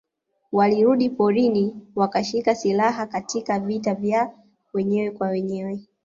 Walirudi porini wakashika silaha Katika vita vya wenyewe kwa wenyewe